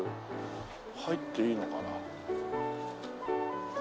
入っていいのかな？